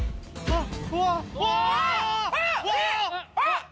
あっ！